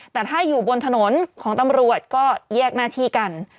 แต่ถ้าอยู่บนถนนของตำรวจก็แยกหน้าที่กัน